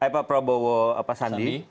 pak prabowo sandi